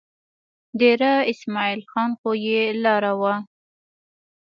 دېره اسمعیل خان خو یې لار وه.